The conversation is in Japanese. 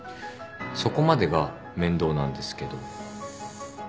そこまでが面倒なんですけど。